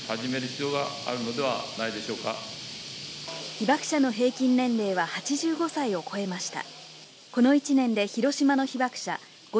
被爆者の平均年齢は８５歳を超えました。